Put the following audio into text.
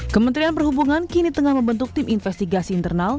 kementerian perhubungan kini tengah membentuk tim investigasi internal